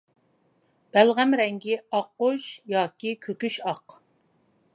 بەلغەم رەڭگى ئاققۇچ ياكى كۆكۈچ ئاق.